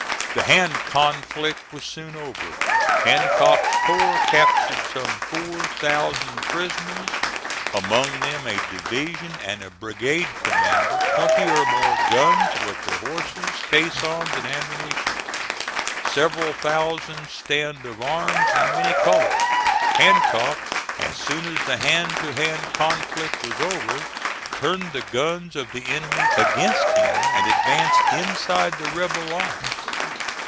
The hand conflict was soon over. Hancock's corps captured some four thousand prisoners among them a division and a brigade commander twenty or more guns with their horses, caissons, and ammunition, several thousand stand of arms, and many colors. Hancock, as soon as the hand to hand conflict was over, turned the guns of the enemy against him and advanced inside the rebel lines.